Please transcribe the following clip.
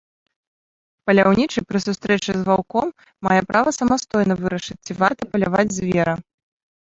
Паляўнічы пры сустрэчы з ваўком мае права самастойна вырашаць, ці варта паляваць звера.